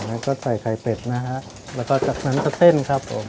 อันนั้นก็ใส่ไข่เป็ดนะฮะแล้วก็จัดน้ำสะเส้นครับผม